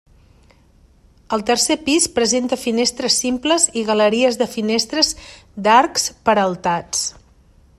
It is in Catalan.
El tercer pis presenta finestres simples i galeries de finestres d'arcs peraltats.